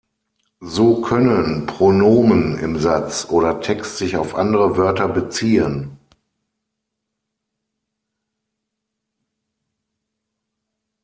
So können Pronomen im Satz oder Text sich auf andere Wörter beziehen.